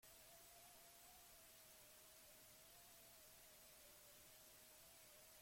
Idazleari galdera asko egin genizkion bukaeran.